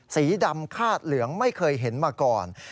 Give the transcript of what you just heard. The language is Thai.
สีดำคาดเหลืองไม่เคยเห็นมาก่อน